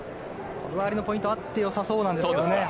技ありのポイントがあってよさそうなんですが。